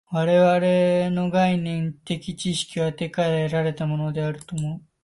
私は我々の概念的知識は手から得られたのであると思う。